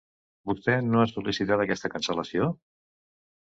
Vostè no ha sol·licitat aquesta cancel·lació?